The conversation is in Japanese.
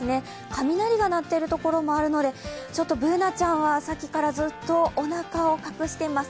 雷が鳴っているところもあるのでＢｏｏｎａちゃんはさっきからずっとおなかを隠しています。